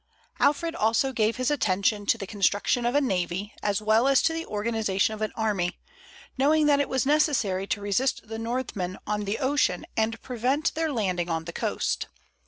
Alfred also gave his attention to the construction of a navy, as well as to the organization of an army, knowing that it was necessary to resist the Northmen on the ocean and prevent their landing on the coast.